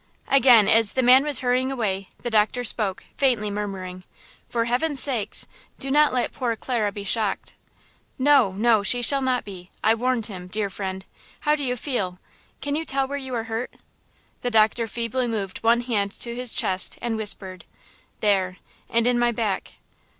Again, as the man was hurrying away, the doctor spoke, faintly murmuring: "For heaven's sake, do not let poor Clara be shocked!" "No–no–she shall not be! I warned him, dear friend! How do you feel? Can you tell where you are hurt?" The doctor feebly moved one hand to his chest and whispered: "There, and in my back."